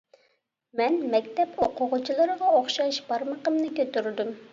مەن مەكتەپ ئوقۇغۇچىلىرىغا ئوخشاش بارمىقىمنى كۆتۈردۈم.